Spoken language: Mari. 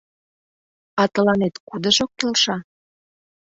— А тыланет кудыжо келша?